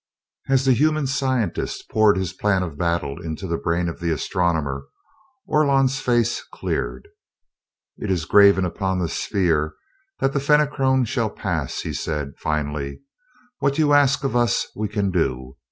As the human scientist poured his plan of battle into the brain of the astronomer, Orlon's face cleared. "It is graven upon the Sphere that the Fenachrone shall pass," he said finally. "What you ask of us we can do.